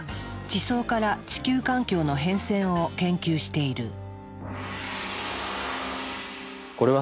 地層から地球環境の変遷を研究している。